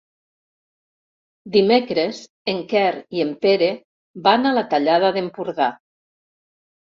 Dimecres en Quer i en Pere van a la Tallada d'Empordà.